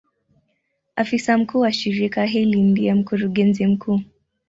Afisa mkuu wa shirika hili ndiye Mkurugenzi mkuu.